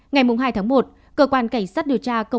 ngày hai tháng một cơ quan cảnh sát điều tra công an